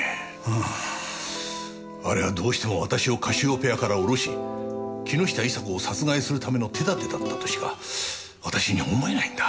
あれはどうしても私をカシオペアから降ろし木下伊沙子を殺害するための手立てだったとしか私には思えないんだ。